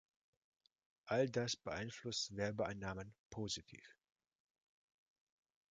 All das beeinflusst Werbeeinnahmen positiv.